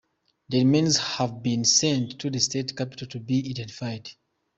The remains have been sent to the state capital to be identified.